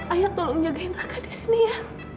ayah tolong jagain kakak di sini ya